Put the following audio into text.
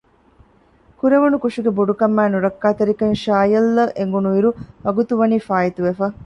ކުރެވުނު ކުށުގެ ބޮޑުކަމާއި ނުރައްކާތެރިކަން ޝާޔަލްއަށް އެނގުނުއިރު ވަގުތުވަނީ ފާއިތުވެފަ